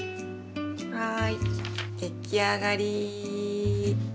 はい出来上がり！